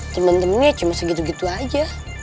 temen temennya cuma segitu gitu aja